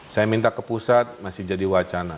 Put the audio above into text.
saya minta ke pusat masih jadi wacana